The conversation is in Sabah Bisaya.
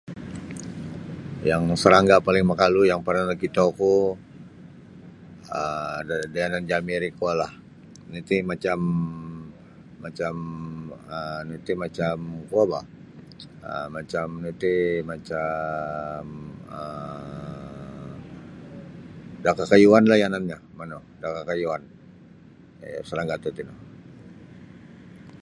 Yang sarangga paling makalu yang parnah nakitoku um da yanan jami' ri kuolah nu iti macam macamm um nu iti macamm kuo boh um macamm nu iti macamm um da kakayuanlah yanannyo manu da kakayuan um sarangga tatino